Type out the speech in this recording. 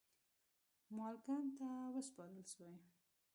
مالکم ته وسپارل سوې.